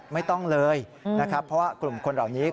ไม่ต้องเลยนะครับเพราะว่ากลุ่มคนเหล่านี้